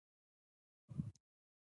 د ذوب اهن فابریکې لرو؟